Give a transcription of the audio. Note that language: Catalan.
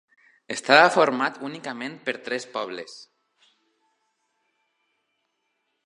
Estava format únicament per tres pobles.